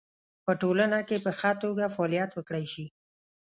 په ټولنه کې په خه توګه فعالیت وکړی شي